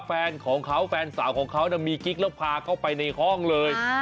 แฟนของเขาแฟนสาวของเขามีกิ๊กแล้วพาเข้าไปในห้องเลย